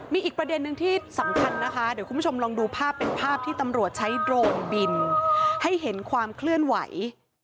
มีอีกประเด็นนึงที่สำคัญนะคะเดี๋ยวคุณผู้ชมลองดูภาพเป็นภาพที่ตำรวจใช้โดรนบินให้เห็นความเคลื่อนไหว